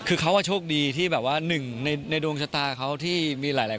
เขาจะโชคดีที่ไม่ว่า๑นะให้ดวงชะตาเขาที่มีหลาย